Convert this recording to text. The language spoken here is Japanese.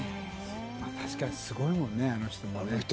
確かにすごいもんねあの人もね。